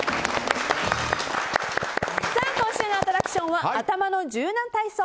今週のアトラクションは頭の柔軟体操！